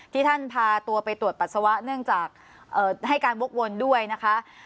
ที่ท่านพาตัวไปตรวจปัสสาวะเนื่องจากให้การวกวนด้วยนะคะ